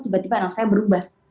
tiba tiba anak saya berubah